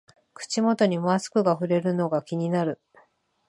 口元にマスクがふれるのが気になる